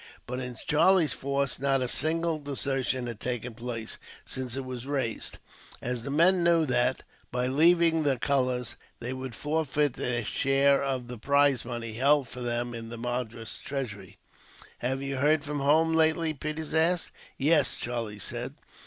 But in Charlie's force not a single desertion had taken place since it was raised; as the men knew that, by leaving the colours, they would forfeit their share of the prize money, held for them in the Madras treasury. "Have you heard from home lately?" Peters asked. "Yes," Charlie said.